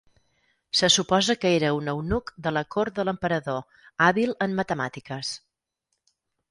Se suposa que era un eunuc de la cort de l'emperador, hàbil en matemàtiques.